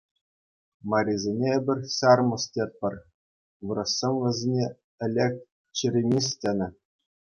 Марисене эпир ҫармӑс тетпӗр, вырӑссем вӗсене ӗлӗк черемис тенӗ.